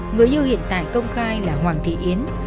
người yêu hiện tại công khai là hoàng thị yến